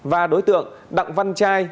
và đối tượng đặng văn trai